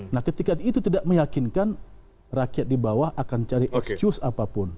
nah ketika itu tidak meyakinkan rakyat di bawah akan cari excuse apapun